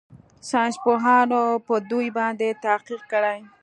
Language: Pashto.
ساينسپوهانو په دو باندې تحقيق کړى.